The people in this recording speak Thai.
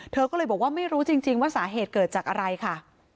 เธอก็เลยบอกว่าไม่รู้จริงว่าสาเหตุเกิดจากอะไรค่ะ